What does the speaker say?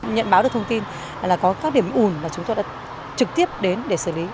nhận báo được thông tin là có các điểm ủn mà chúng tôi đã trực tiếp đến để xử lý